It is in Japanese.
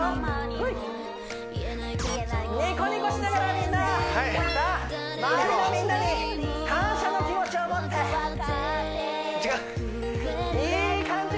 ほいっニコニコしながらみんな周りのみんなに感謝の気持ちを持っていい感じ！